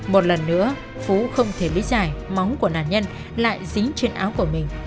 một lần nữa phú không thể lý giải móng của nạn nhân lại dính trên áo của mình